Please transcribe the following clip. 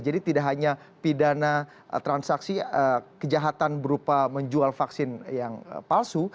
jadi tidak hanya pidana transaksi kejahatan berupa menjual vaksin yang palsu